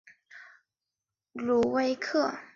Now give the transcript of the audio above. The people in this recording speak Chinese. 吕萨克。